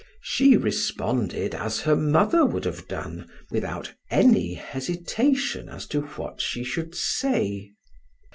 She responded as her mother would have done, without any hesitation as to what she should say.